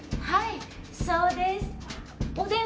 はい！